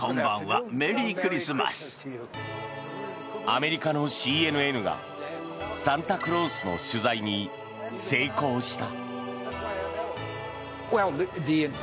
アメリカのＣＮＮがサンタクロースの取材に成功した。